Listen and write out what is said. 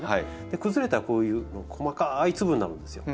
崩れたらこういう細かい粒になるんですよ。